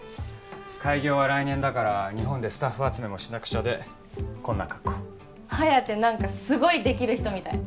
開業は来年だから日本でスタッフ集めもしなくちゃでこんな格好颯何かすごいできる人みたい